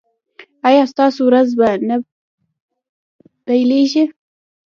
ایا ستاسو ورځ به نه پیلیږي؟